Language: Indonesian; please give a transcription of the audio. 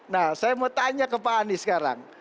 nah saya mau tanya ke pak anies sekarang